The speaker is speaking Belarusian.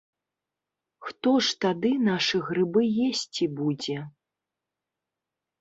Хто ж тады нашы грыбы есці будзе?